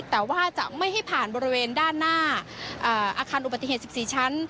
แต่ว่าจะไม่ให้ผ่านบริเวณด้านหน้าอาคารอุบัติเหตุ๑๔ชั้น